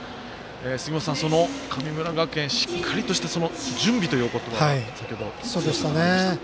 杉本さん、神村学園しっかりとした準備という言葉も先ほどいただきました。